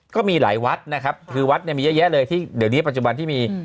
ก็มีหลายวัดนะครับคือวัดเนี่ยมีเยอะแยะเลยที่เดี๋ยวนี้ปัจจุบันที่มี